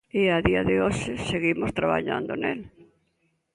E a día de hoxe seguimos traballando nel.